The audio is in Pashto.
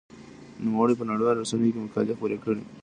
نوموړي په نړيوالو رسنيو کې مقالې خپرې کړې.